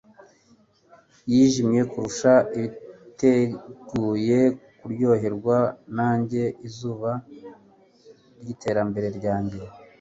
yijimye kurusha abiteguye kuryoherwa nanjye izuba ryiterambere ryanjye